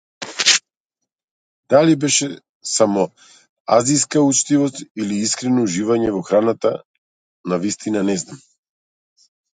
Дали беше само азиска учтивост или искрено уживање во храната навистина не знам.